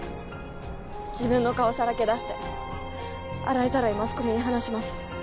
自分の顔さらけ出して洗いざらいマスコミに話します。